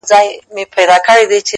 زور د زورور پاچا، ماته پر سجده پرېووت،